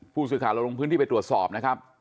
ผู้สื่อข่าวเราลงพื้นที่ไปตรวจสอบนะครับ